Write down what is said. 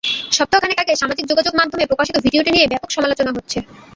সপ্তাহ খানেক আগে সামাজিক যোগাযোগমাধ্যমে প্রকাশিত ভিডিওটি নিয়ে ব্যাপক সমালোচনা হচ্ছে।